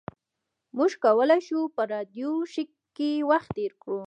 موږ کولی شو په راډیو شیک کې وخت تیر کړو